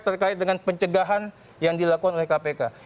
terkait dengan pencegahan yang dilakukan oleh kpk